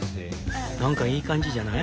何かいい感じじゃない？